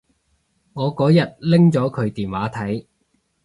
我嗰日拎咗佢電話睇